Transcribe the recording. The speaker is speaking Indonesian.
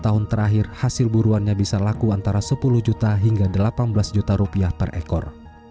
tahun terakhir hasil buruannya bisa laku antara sepuluh juta hingga delapan belas juta rupiah per ekor